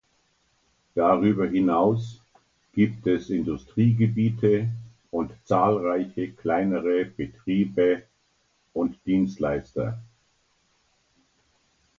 Darüber hinaus gibt es Industriegebiete und zahlreiche kleinere Betrieben und Dienstleister.